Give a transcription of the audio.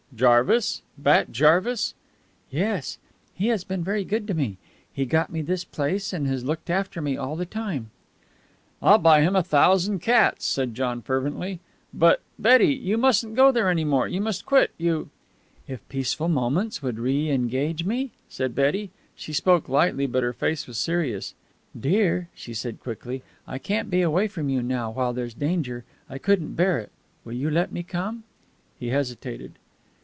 "Jarvis? Bat Jarvis?" "Yes. He has been very good to me. He got me this place, and has looked after me all the time." "I'll buy him a thousand cats," said John fervently. "But, Betty, you mustn't go there any more. You must quit. You " "If Peaceful Moments would reengage me?" said Betty. She spoke lightly, but her face was serious. "Dear," she said quickly, "I can't be away from you now, while there's danger. I couldn't bear it. Will you let me come?" He hesitated.